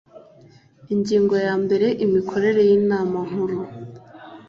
ingingo ya mbere imikorere y’inama nkuru